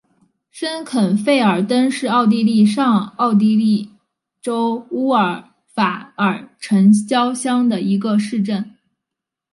申肯费尔登是奥地利上奥地利州乌尔法尔城郊县的一个市镇。